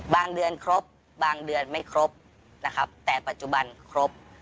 เดือนครบบางเดือนไม่ครบนะครับแต่ปัจจุบันครบ